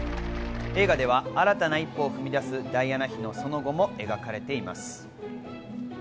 映画では新たな一歩を踏み出すダイアナ妃のその後も描かれています。